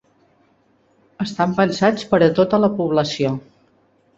Estan pensats per a tota la població.